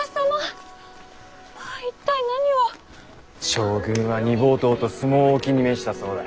将軍は煮ぼうとうと相撲をお気に召したそうだ。